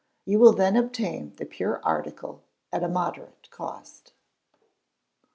You will then obtain the pure article at a moderate cost.